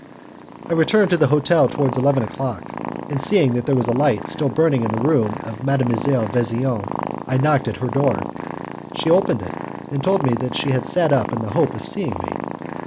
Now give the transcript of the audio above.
I returned to the hotel towards eleven o'clock, and seeing that there was a light still burning in the room of Mdlle. Vesian I knocked at her door. She opened it, and told me that she had sat up in the hope of seeing me.